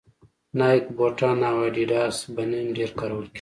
نایک بوټان او اډیډاس بنېن ډېر کارول کېږي